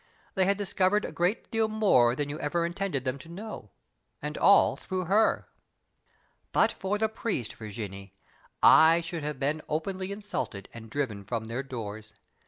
They had discovered a great deal more than you ever intended them to know, and all through her." "But for the priest, Virginie, I should have been openly insulted and driven from their doors.